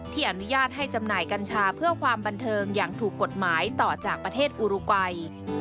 อนุญาตให้จำหน่ายกัญชาเพื่อความบันเทิงอย่างถูกกฎหมายต่อจากประเทศอุรุกัย